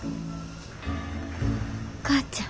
お母ちゃん。